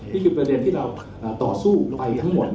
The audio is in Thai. ประเด็นที่เราต่อสู้ไปทั้งหมด